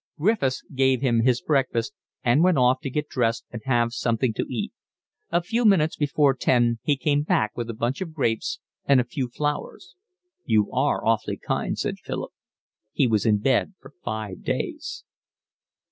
Griffiths gave him his breakfast and went off to get dressed and have something to eat. A few minutes before ten he came back with a bunch of grapes and a few flowers. "You are awfully kind," said Philip. He was in bed for five days.